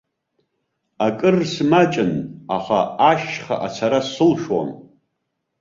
Акыр смаҷын, аха ашьха ацара сылшон.